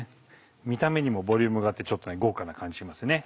見た目にもボリュームがあってちょっと豪華な感じしますね。